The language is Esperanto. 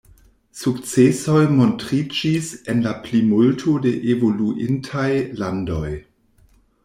Sukcesoj montriĝis en la plimulto de evoluintaj landoj.